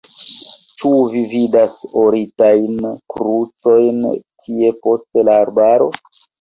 Ĉu vi vidas oritajn krucojn tie post la arbaro?